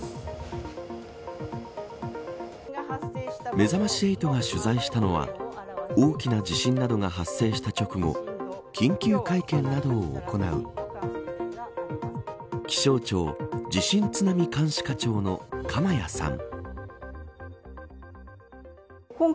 めざまし８が取材したのは大きな地震などが発生した直後緊急会見などを行う気象庁、地震津波監視課長の鎌谷さん。